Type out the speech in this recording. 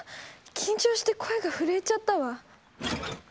緊張して声が震えちゃったわ。